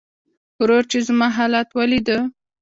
ورور چې زما حالت وليده .